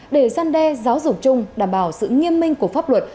để gian đe giáo dục chung đảm bảo sự nghiêm minh của pháp luật